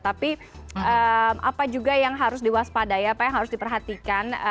tapi apa juga yang harus diwaspadai apa yang harus diperhatikan